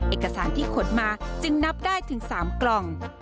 เอกสารที่ขนมาจึงนับได้ถึง๓กล่อง